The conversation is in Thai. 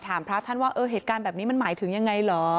พระท่านว่าเออเหตุการณ์แบบนี้มันหมายถึงยังไงเหรอ